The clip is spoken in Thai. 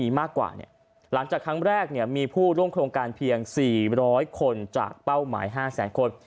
มากกว่าหลังจากครั้งแรกมีผู้ร่วมโครงการเพียง๔๐๐คนจากเป้าหมาย๕แสนคน